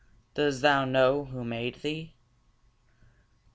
Does thou know who made thee?